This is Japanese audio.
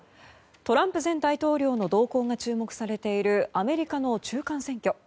トランプ前大統領の動向が注目されているアメリカの中間選挙。